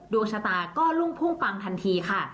ดวงชะตาก็รุ่งพุ่งปังทันทีค่ะ